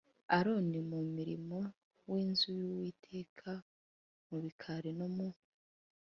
Aroni mu murimo w inzu y Uwiteka mu bikari no mu